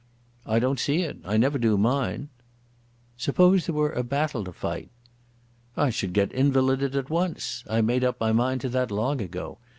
"I don't see it. I never do mine." "Suppose there were a battle to fight." "I should get invalided at once. I made up my mind to that long ago.